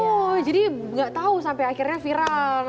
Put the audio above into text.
oh jadi gak tau sampe akhirnya viral